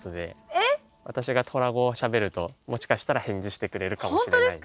私がトラ語をしゃべるともしかしたら返事してくれるかもしれない。